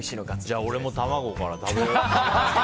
じゃあ、俺も玉子から食べよう。